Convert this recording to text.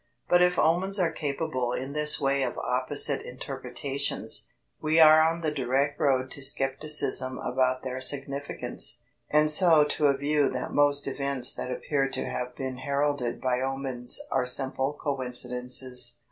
But if omens are capable in this way of opposite interpretations, we are on the direct road to scepticism about their significance, and so to a view that most events that appear to have been heralded by omens are simple coincidences.